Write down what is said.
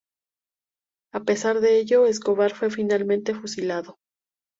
A pesar de ello, Escobar fue finalmente fusilado.